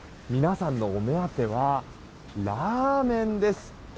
皆さんのお目当てはラーメンです。